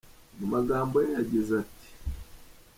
Mu magambo ye yagize ati “.